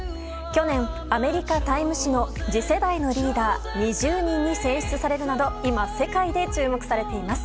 去年、アメリカ「タイム」誌の次世代のリーダー２０人に選出されるなど今、世界で注目されています。